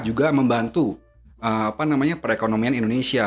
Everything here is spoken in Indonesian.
juga membantu perekonomian indonesia